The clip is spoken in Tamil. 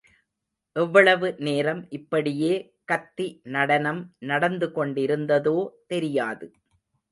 எவ்வளவு நேரம் இப்படியே கத்தி நடனம் நடந்துகொண்டிருந்ததோ தெரியாது.